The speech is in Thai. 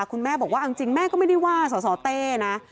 คุณแม่บอกว่าเอาจริงแม่ก็ไม่ได้ว่าสสเต้นะ